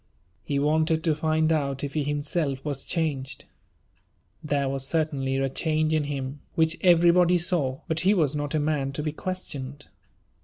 He wanted to find out if he himself was changed. There was certainly a change in him, which everybody saw; but he was not a man to be questioned.